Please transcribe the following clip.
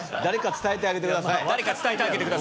誰か伝えてあげてください。